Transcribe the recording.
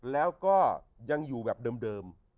แล้วก็ยังอยู่แบบเดิม